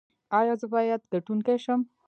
ایا زه باید ګټونکی شم؟